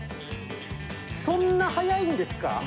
そんな速いんですか？